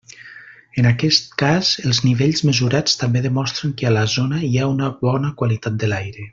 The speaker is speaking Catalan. En aquest cas, els nivells mesurats també demostren que a la zona hi ha una bona qualitat de l'aire.